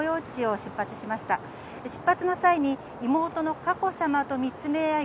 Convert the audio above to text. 出発の際に妹の佳子さまと見つめ合い